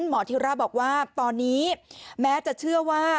ธิระบอกว่าตอนนี้แม้จะเชื่อว่า